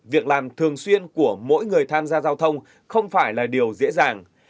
việc làm thường xuyên của mỗi người tham gia giao thông không phải là điều dễ dàng